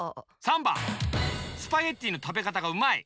３ばんスパゲッティのたべかたがうまい！